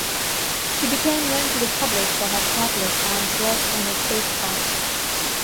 She became known to the public for her popular science works on the spacecraft.